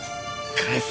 返せ！